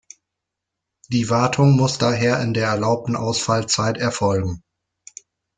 Die Wartung muss daher in der erlaubten Ausfallzeit erfolgen.